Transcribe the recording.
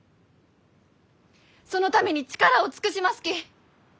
そのために力を尽くしますき。